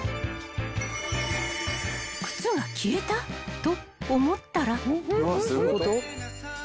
［靴が消えた？と思ったら］